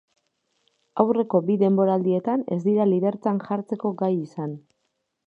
Aurreko bi denboraldietan ez dira lidertzan jartzeko gai izan.